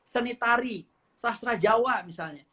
senitari sastra jawa misalnya